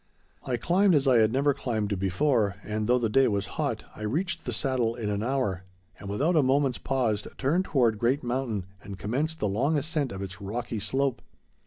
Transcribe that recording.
I climbed as I had never climbed before, and though the day was hot I reached the Saddle in an hour, and, without a moment's pause, turned toward Great Mountain and commenced the long ascent of its rocky slope.